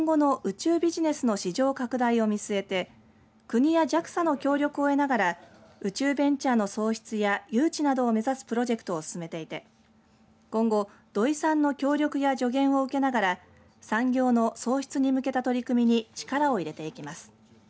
茨城県は今後の宇宙ビジネスの市場拡大を見据えて国やＪＡＸＡの協力を得ながら宇宙ベンチャーの創出や誘致などを目指すプロジェクトを進めていて今後土井さんの協力や助言を受けながら産業の創出に向けた取り組みに力を入れていきます。